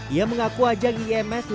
ia mengaku ajang iims dua ribu dua puluh tiga